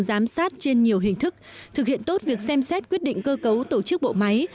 giám sát trên nhiều hình thức thực hiện tốt việc xem xét quyết định cơ cấu tổ chức bộ máy